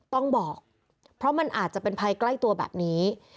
ต้องบอกเพราะมันอาจจะเป็นภัยใกล้ตัวแบบนี้